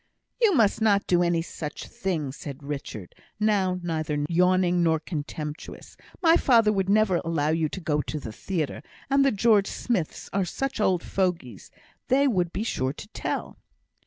"You must not do any such thing!" said Richard, now neither yawning nor contemptuous. "My father would never allow you to go to the theatre; and the George Smiths are such old fogeys they would be sure to tell."